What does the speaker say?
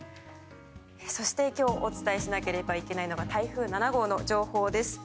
そして、今日お伝えしなければいけないのが台風７号の状況です。